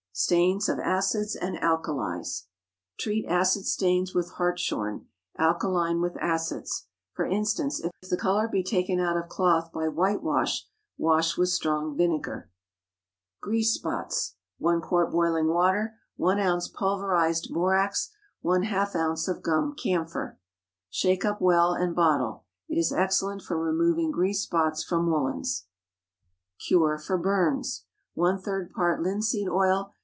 STAINS OF ACIDS AND ALKALIES. Treat acid stains with hartshorn; alkaline with acids. For instance, if the color be taken out of cloth by whitewash, wash with strong vinegar. GREASE SPOTS. 1 quart boiling water. 1 oz. pulverized borax. ½ oz. of gum camphor. Shake up well and bottle. It is excellent for removing grease spots from woolens. CURE FOR BURNS. One third part linseed oil.